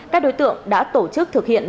các đối tượng đã tổ chức thực hiện